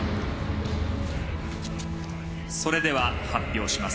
それでは発表します。